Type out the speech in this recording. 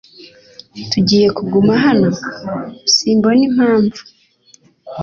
Tugiye kuguma hano?" "Simbona impamvu."